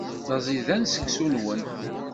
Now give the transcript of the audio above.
D aẓidan seksu-nwen.